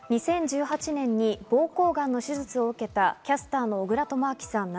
続いて２０１８年に膀胱がんの手術を受けたキャスターの小倉智昭さん